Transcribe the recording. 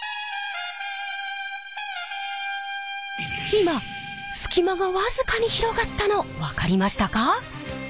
今隙間がわずかに広がったの分かりましたか？